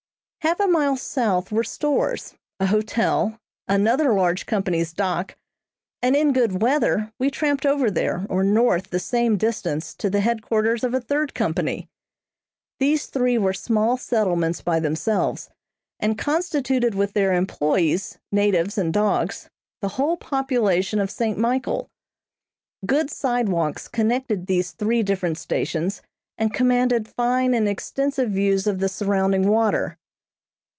Half a mile south were stores, a hotel, another large company's dock, and in good weather we tramped over there or north the same distance to the headquarters of a third company. These three were small settlements by themselves, and constituted, with their employees, natives and dogs, the whole population of St. Michael. Good sidewalks connected these different stations and commanded fine and extensive views of the surrounding water.